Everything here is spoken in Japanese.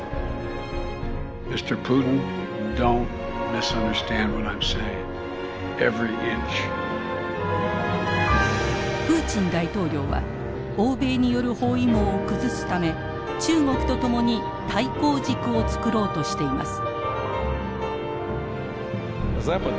プーチン大統領は欧米による包囲網を崩すため中国と共に対抗軸を作ろうとしています。